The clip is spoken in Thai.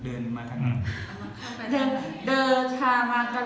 อ๋อไปหาลูกชายซึ่งเป็นน้องชายของคนนี้